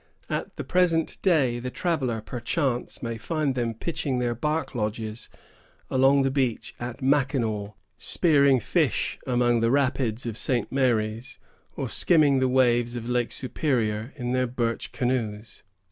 At the present day, the traveller, perchance, may find them pitching their bark lodges along the beach at Mackinaw, spearing fish among the rapids of St. Mary's, or skimming the waves of Lake Superior in their birch canoes.